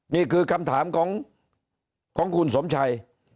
นี่คือคำถามของคุณสมชัย